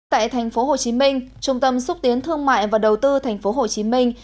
tại thành phố hồ chí minh trung tâm xúc tiến thương mại và đầu tư thành phố hồ chí minh